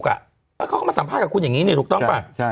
เพราะเขาเข้ามาสัมภาษณ์กับคุณอย่างนี้ถูกต้องเปล่า